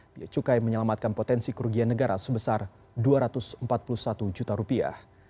biaya cukai menyelamatkan potensi kerugian negara sebesar dua ratus empat puluh satu juta rupiah